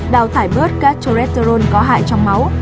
đào thải bớt các trô retron có hại trong máu